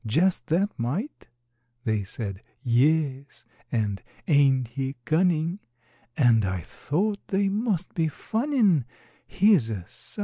Just that mite!" They said, "Yes," and, "Ain't he cunnin'?" And I thought they must be funnin', He's a _sight!